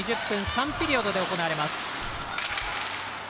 ２０分、３ピリオドで行われます。